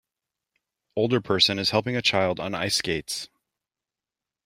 Older person is helping a child on ice skates.